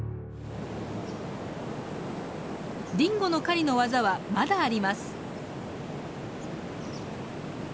ディンゴの狩りの技はまだあります。